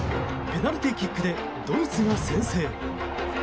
ペナルティーキックでドイツが先制。